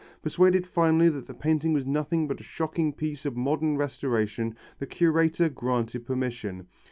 Persuaded finally that the painting was nothing but a shocking piece of modern restoration the curator granted permission.